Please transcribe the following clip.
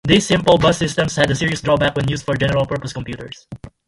These simple bus systems had a serious drawback when used for general-purpose computers.